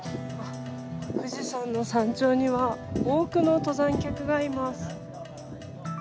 富士山の山頂には、多くの登山客がいます。